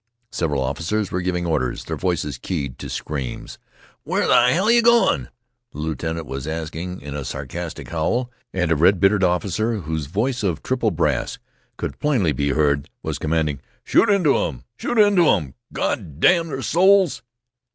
Several officers were giving orders, their voices keyed to screams. "Where in hell yeh goin'?" the lieutenant was asking in a sarcastic howl. And a red bearded officer, whose voice of triple brass could plainly be heard, was commanding: "Shoot into 'em! Shoot into 'em, Gawd damn their souls!"